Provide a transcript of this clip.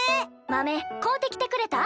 豆買うてきてくれた？